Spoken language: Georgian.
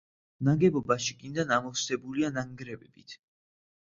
ნაგებობა შიგნიდან ამოვსებულია ნანგრევებით.